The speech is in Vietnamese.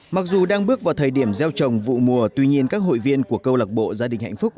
mặc dù đang bước vào thời điểm gieo trồng vụ mùa tuy nhiên các hội viên của câu lạc bộ gia đình hạnh phúc